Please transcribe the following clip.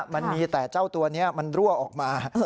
มันมีแต่เจ้าตัวนี้มันรั่วออกมา